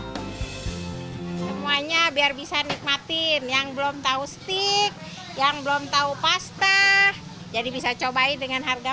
semuanya biar bisa nikmatin yang belum tahu stick yang belum tahu pasta jadi bisa cobain dengan harga